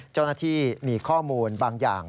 เจ้าหน้าที่มีข้อมูลบางอย่าง